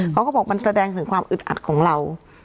เขาก็บอกมันแสดงถึงความอึดอัดของเรา